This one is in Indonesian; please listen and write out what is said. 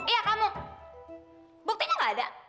iya kamu buktinya gak ada